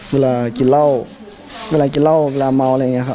เวลากินเหล้าเวลากินเหล้าเวลาเมาอะไรอย่างนี้ค่ะ